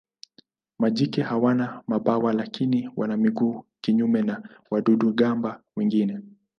Majike hawana mabawa lakini wana miguu kinyume na wadudu-gamba wengine.